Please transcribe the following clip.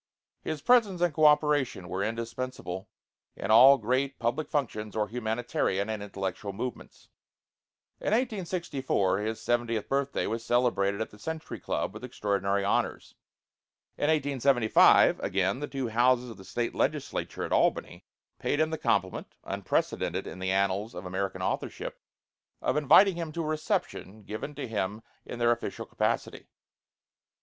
His presence and co operation were indispensable in all great public functions or humanitarian and intellectual movements. In 1864 his seventieth birthday was celebrated at the Century Club with extraordinary honors. In 1875, again, the two houses of the State Legislature at Albany paid him the compliment, unprecedented in the annals of American authorship, of inviting him to a reception given to him in their official capacity.